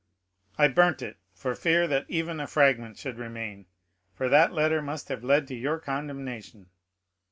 "I burnt it, for fear that even a fragment should remain; for that letter must have led to your condemnation."